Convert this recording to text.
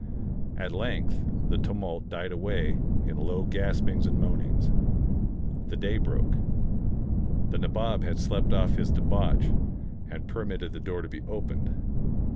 At length the tumult died away in low gaspings and moanings. The day broke. The Nabob had slept off his debauch, and per mitted the door to be opened.